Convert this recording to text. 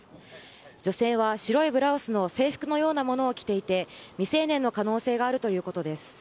女性は白いブラウスの制服のようなものを着ていて未成年の可能性があるということです。